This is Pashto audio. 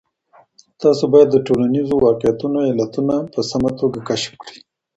تاسو باید د ټولنیزو واقعیتونو علتونه په سمه توګه کشف کړئ.